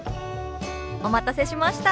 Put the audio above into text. お待たせしました。